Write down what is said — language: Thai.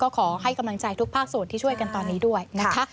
ขอให้กำลังใจทุกภาคส่วนที่ช่วยกันตอนนี้ด้วยนะคะ